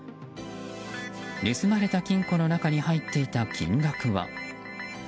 盗まれた金庫の中に入っていた金額は。